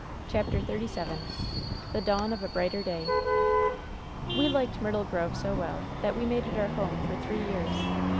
CHAPTER XXXVII THE DAWN OF A BRIQHTBE BAY 'We liked Myrtle Grove so well that we made it our home for three years.